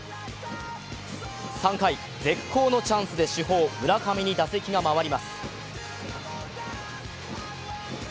３回、絶好のチャンスで主砲・村上に打席が回ります。